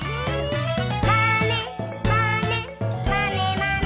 「まねまねまねまね」